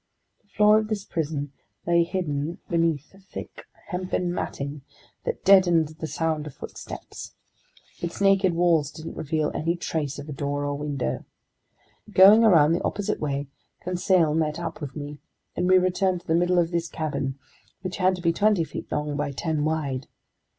The floor of this prison lay hidden beneath thick, hempen matting that deadened the sound of footsteps. Its naked walls didn't reveal any trace of a door or window. Going around the opposite way, Conseil met up with me, and we returned to the middle of this cabin, which had to be twenty feet long by ten wide.